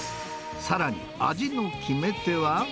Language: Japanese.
さらに味の決め手は。